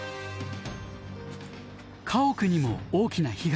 家屋にも大きな被害が。